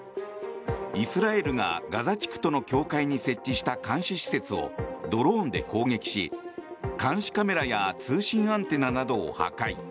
イスラエルがガザ地区との境界に設置した監視施設をドローンで攻撃し監視カメラや通信アンテナなどを破壊。